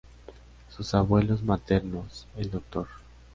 Sus abuelos maternos, el Dr.